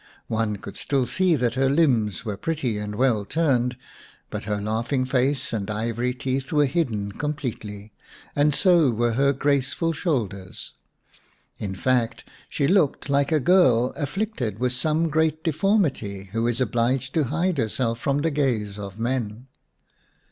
One could still see that her limbs were pretty and well turned, but her laughing face and ivory teeth were hidden completely, and so were her graceful shoulders. In fact she looked like a girl afflicted with some great deformity, who is obliged to hide herself from the gaze of men.